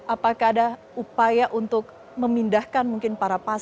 apakah ada upaya untuk memindahkan mungkin para pasien